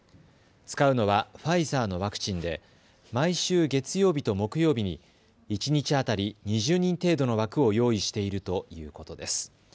使うのはファイザーのワクチンで毎週月曜日と木曜日に一日当たり２０人程度の枠を用意しているということです。